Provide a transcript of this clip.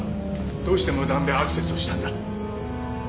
どうして無断でアクセスをしたんだ？